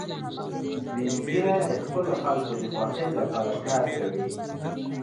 سپین ږیری د خپلو خلکو د خوښۍ لپاره کار کوي